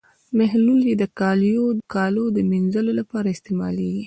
محلول یې د کالیو د مینځلو لپاره استعمالیږي.